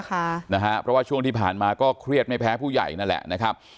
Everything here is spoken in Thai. เพราะว่าช่วงที่ผ่านมาก็เครียดไม่แพ้ผู้ใหญ่นั่นแหละนะครับ